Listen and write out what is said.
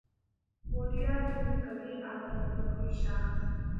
هوډیال یعني قوي عظم لرونکی شخص